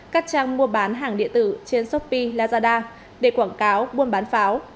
các trang mua bán hàng địa tử trên shopee lazada để quảng cáo buôn bán pháo